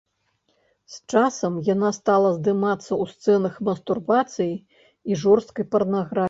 З часам яна стала здымацца ў сцэнах мастурбацыі і жорсткай парнаграфіі.